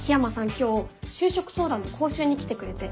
今日就職相談の講習に来てくれて。